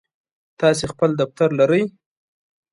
تاسی خپل دفتر لرئ؟